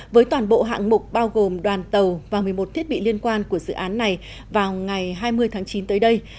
với toàn bộ hạng mục bao gồm đoàn tàu và một mươi một thiết bị liên quan của dự án này vào ngày hai mươi tháng chín tới đây